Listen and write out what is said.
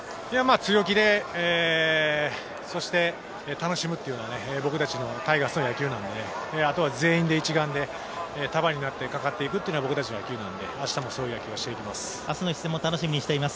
強気で楽しむというのは僕たちタイガースの野球なので、あとは全員で一丸で束になってかかっていくのは僕たちの野球なので、明日もそういう野球をします。